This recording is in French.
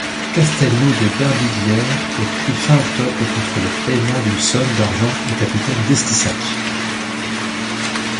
Castelnau-de-Berbiguières est pris fin octobre contre le paiement d'une somme d'argent au capitaine d'Estissac.